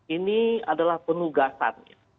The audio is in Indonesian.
ini adalah penugasan